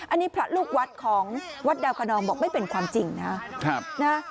อันนี้พระลูกวัดของวัดดาวคนนองบอกไม่เป็นความจริงนะครับ